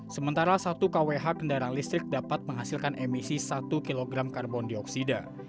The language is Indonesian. sementara satu kwh kendaraan listrik dapat menghasilkan emisi satu kg karbon dioksida